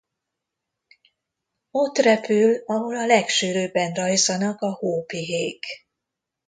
Ott repül, ahol a legsűrűbben rajzanak a hópihék.